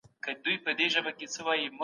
خلک د مغولو د نوي چلند څخه خوښ وو.